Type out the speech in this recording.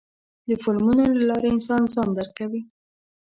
د فلمونو له لارې انسان ځان درکوي.